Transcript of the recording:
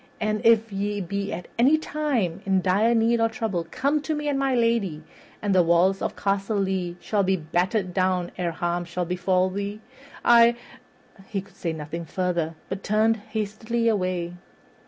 And if ye be at any time in dire need or trouble, come to me and my lady, and the walls of Castle Lea shall be battered down ere harm shall befall you. I " He could say nothing further, but turned hastily away.